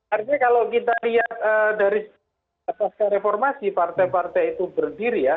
artinya kalau kita lihat dari pasca reformasi partai partai itu berdiri ya